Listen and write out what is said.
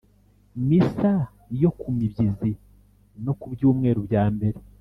misa yo ku mibyizi no ku byumwerubyambere